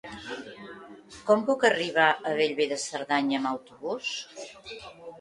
Com puc arribar a Bellver de Cerdanya amb autobús?